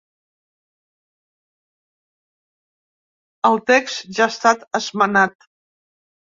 El text ja ha estat esmenat.